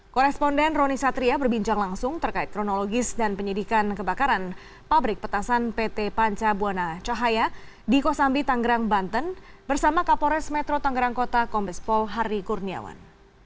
koresponden roni satria berbincang langsung terkait kronologis dan penyidikan kebakaran pabrik petasan pt panca buana cahaya di kosambi tanggerang banten bersama kapolres metro tangerang kota kombespol hari kurniawan